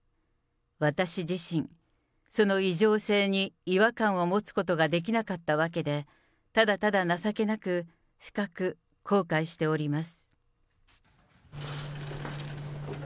私自身、その異常性に違和感を持つことができなかったわけで、ただただ情けなく、深く後悔しております。